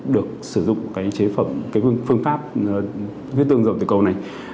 được sử dụng cái chế phẩm cái phương pháp viết tương dầu tiểu cầu này